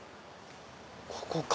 ここか。